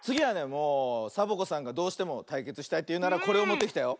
もうサボ子さんがどうしてもたいけつしたいというならこれをもってきたよ。